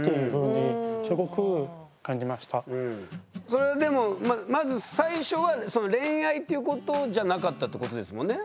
それでもまず最初は恋愛っていうことじゃなかったってことですもんね？